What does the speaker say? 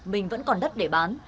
mình vẫn còn đất để bán